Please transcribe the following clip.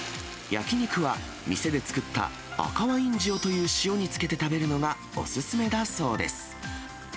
焼き肉は店で作った赤ワイン塩という塩につけて食べるのが、お勧めだそうです。